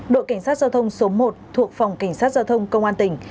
đội cảnh sát giao thông số một thuộc phòng cảnh sát giao thông công an tỉnh